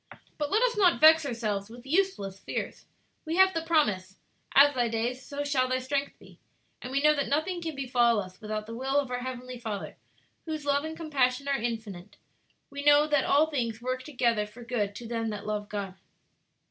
"But let us not vex ourselves with useless fears. We have the promise, 'As thy days, so shall thy strength be.' And we know that nothing can befall us without the will of our Heavenly Father, whose love and compassion are infinite. 'We know that all things work together for good to them that love God.'"